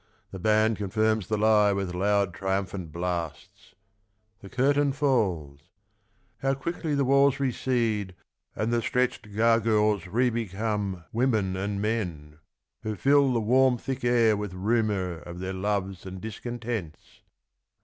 The band Confirms the lie with loud triumphant blasts. The curtain falls. How quickly the walls recede 34 Theatre of Varieties. And the stretched gargoyles re become Women and men ! who fill the warm thick air With rumour of their loves and discontents.